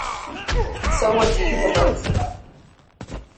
So, what do you propose?